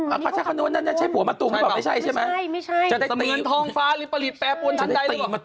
เขาคาดนึกว่านั่นแล้วใช้หัวมะตุ๋มเหมือนแบบนี้ใช่ไหม